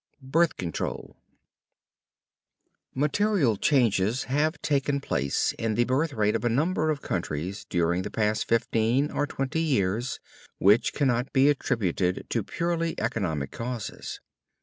BIRTH CONTROL Material changes have taken place in the birth rate of a number of countries during the past fifteen or twenty years which cannot be attributed to purely economic causes.